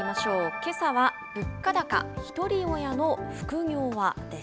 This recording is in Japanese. けさは物価高、ひとり親の副業はです。